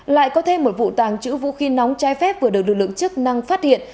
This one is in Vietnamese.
lại có thêm một vụ tàng trữ vũ khí nóng trái phép vừa được lực lượng chức năng phát hiện